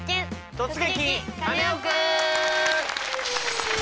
「突撃！